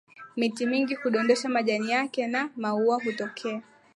miti mingi hudondosha majani yake na maua hutokea